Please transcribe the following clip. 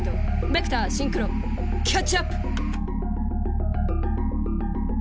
ベクターシンクロキャッチアップ。